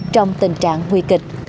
trong tình trạng nguy kịch